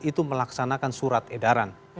itu melaksanakan surat edaran